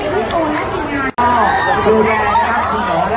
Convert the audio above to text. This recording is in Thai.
พี่บุ๋นก็มาทั่ววิ่งกับเราด้วย